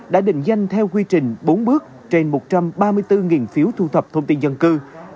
đã định danh theo quy trình bốn bước trên một trăm ba mươi bốn phiếu thu thập thông tin dân cư